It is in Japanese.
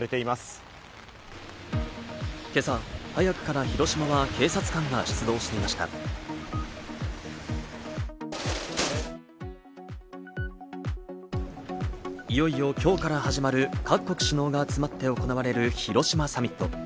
いよいよ今日から始まる各国首脳が集まって行われる広島サミット。